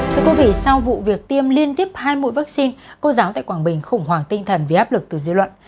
thưa quý vị sau vụ việc tiêm liên tiếp hai mũi vaccine cô giáo tại quảng bình khủng hoảng tinh thần vì áp lực từ dư luận